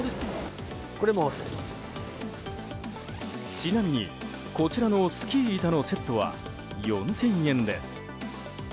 ちなみに、こちらのスキー板のセットは４０００円です。